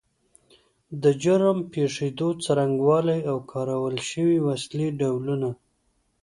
د جرم پیښېدو څرنګوالی او کارول شوې وسلې ډولونه